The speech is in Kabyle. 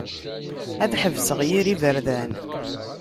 Ad ḥebseɣ yir iberdan.